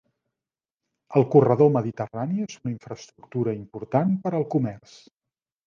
El corredor mediterrani és una infraestructura important per al comerç